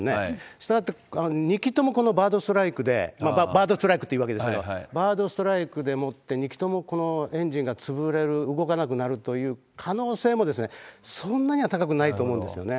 したがって、２基ともこのバードストライクで、バードストライクっていうわけですけれども、バードストライクでもって、２基ともこのエンジンが潰れる、動かなくなるという可能性も、そんなには高くないと思うんですよね。